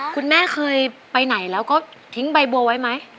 คุณแม่เคยไปไหนแล้วก็ทิ้งใบบัวไว้ไหม